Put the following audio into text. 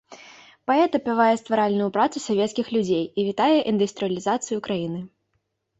Паэт апявае стваральную працу савецкіх людзей і вітае індустрыялізацыю краіны.